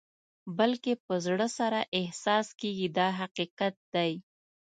بلکې په زړه سره احساس کېږي دا حقیقت دی.